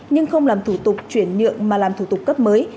nhưng không làm thủ tục chuyển nhượng mà làm thủ tục cấp mới